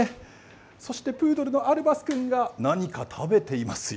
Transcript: そしてプードルのアルバス君が何か食べていますよ。